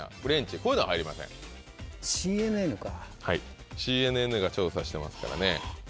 はいＣＮＮが調査してますからね。